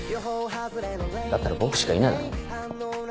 だったら僕しかいないだろ。